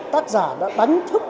tác giả đã đánh thức